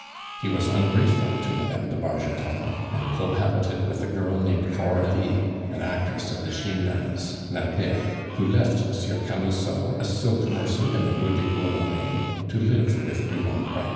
"He was ungrateful to Madame de Bargeton, and cohabited with a girl named Coralie, an actress at the Gymnase, now dead, who left Monsieur Camusot, a silk mercer in the Rue des Bourdonnais, to live with Rubempre.